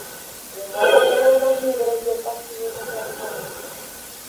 Llegó a ser uno de los líderes del Partido Democrático Ruso.